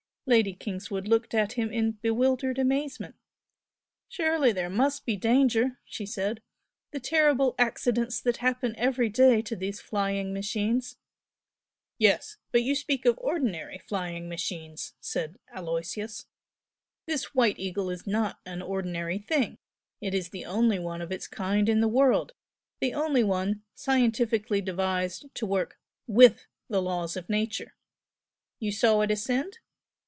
Lady Kingswood looked at him in bewildered amazement. "Surely there MUST be danger?" she said "The terrible accidents that happen every day to these flying machines " "Yes but you speak of ordinary flying machines," said Aloysius, "This 'White Eagle' is not an ordinary thing. It is the only one of its kind in the world the only one scientifically devised to work with the laws of Nature. You saw it ascend?"